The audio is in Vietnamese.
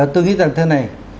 tôi nghĩ rằng thế này